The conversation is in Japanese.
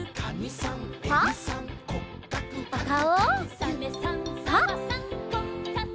「サメさんサバさん」